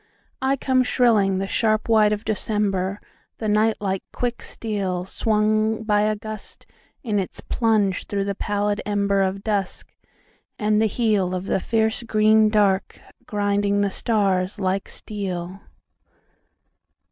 I come shrilling the sharp white of December, The night like. quick steelSwung by a gust in its plunge through the pallid emberOf dusk, and the heelOf the fierce green dark grinding the stars like steel.